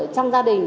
trong gia đình